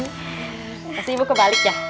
pasti ibu kebalik ya